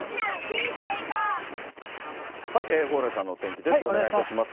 蓬莱さんのお天気です。